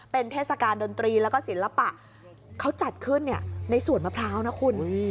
เป็นเทศกาลดนตรีแล้วก็ศิลปะเขาจัดขึ้นในสวนมะพร้าวนะคุณ